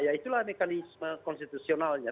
ya itulah mekanisme konstitusionalnya